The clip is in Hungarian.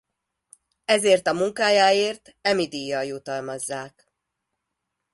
Ezért a munkájáért Emmy-díjjal jutalmazzák.